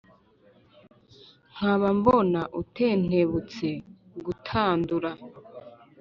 nkaba mbona utentebutse gutandura.